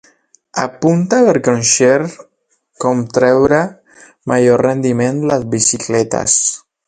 Apunta't per conèixer com treure major rendiment a les bicicletes.